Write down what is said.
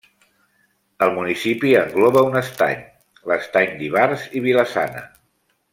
El municipi engloba un estany, l'Estany d'Ivars i Vila-sana.